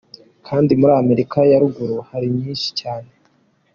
Kandi muri Amerika ya ruguru hari nyinshi cyane.